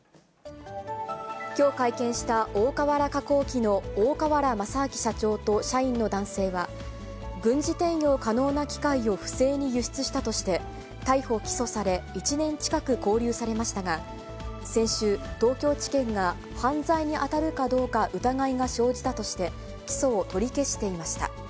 きょう会見した大川原化工機の大川原正明社長と社員の男性は、軍事転用可能な機械を不正に輸出したとして、逮捕・起訴され、１年近く勾留されましたが、先週、東京地検が犯罪に当たるかどうか疑いが生じたとして、起訴を取り消していました。